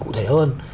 cụ thể hơn